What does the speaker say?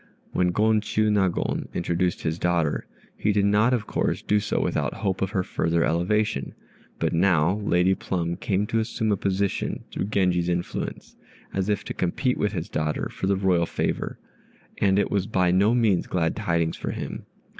When Gon Chiûnagon introduced his daughter, he did not of course do so without hope of her further elevation; but now Lady Plum came to assume a position through Genji's influence, as if to compete with his daughter for the royal favor; and it was by no means glad tidings for him.